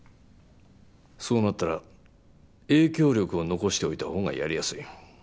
そうなったら影響力を残しておいたほうがやりやすい。